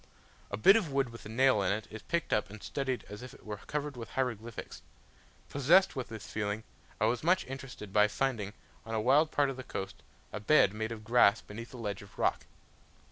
A bit of wood with a nail in it, is picked up and studied as if it were covered with hieroglyphics. Possessed with this feeling, I was much interested by finding, on a wild part of the coast, a bed made of grass beneath a ledge of rock.